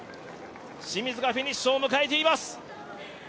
清水がフィニッシュを迎えています。